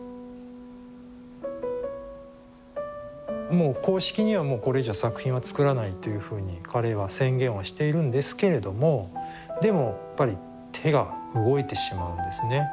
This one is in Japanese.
もう公式にはもうこれ以上作品は作らないというふうに彼は宣言はしているんですけれどもでもやっぱり手が動いてしまうんですね。